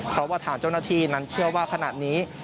เพราะว่าทางเจ้าหน้าที่นั้นเชื่อว่าขณะนี้